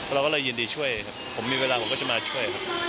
เราก็เลยยินดีช่วยครับผมมีเวลาผมก็จะมาช่วยครับ